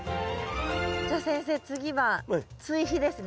じゃあ先生次は追肥ですね。